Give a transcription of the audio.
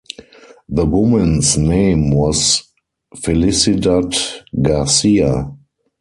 The woman's name was Felicidad Garcia.